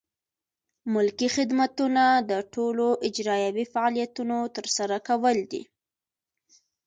ملکي خدمتونه د ټولو اجرایوي فعالیتونو ترسره کول دي.